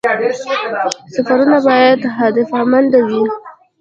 سفرونه باید هدفمند وي